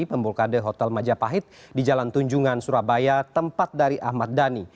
pemblokade hotel majapahit di jalan tunjungan surabaya tempat dari ahmad dhani